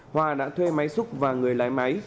hòa đã thuê máy xúc và người lái máy